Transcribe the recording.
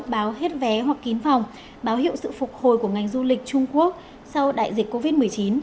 báo hết vé hoặc kín phòng báo hiệu sự phục hồi của ngành du lịch trung quốc sau đại dịch covid một mươi chín